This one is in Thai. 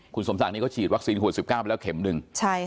คุณสมศักดิก็ฉีดวัคซีนขวด๑๙ไปแล้วเข็มหนึ่ง